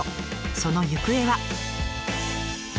その行方は。